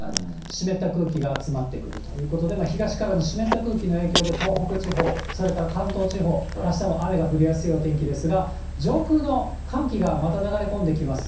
湿った空気が集まってくるということで、東からの湿った空気の影響で東北地方、それから関東地方、あしたも雨が降りやすいお天気ですが、上空の寒気がまた流れ込んできます。